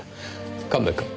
神戸君。